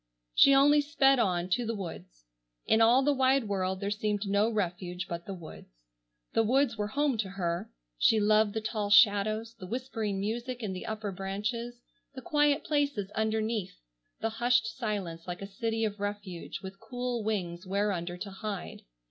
She only sped on, to the woods. In all the wide world there seemed no refuge but the woods. The woods were home to her. She loved the tall shadows, the whispering music in the upper branches, the quiet places underneath, the hushed silence like a city of refuge with cool wings whereunder to hide.